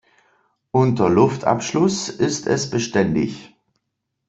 Unter Luftabschluss ist es beständig.